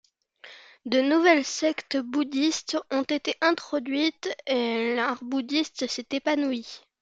De nouvelles sectes bouddhistes ont été introduites et l’art bouddhiste s’est épanoui.